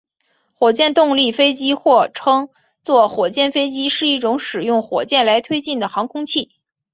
火箭动力飞机或称作火箭飞机是一种使用火箭来推进的航空器。